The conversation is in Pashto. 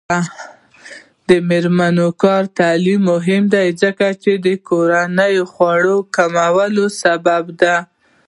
د میرمنو کار او تعلیم مهم دی ځکه چې کورنۍ خوارۍ کمولو سبب دی.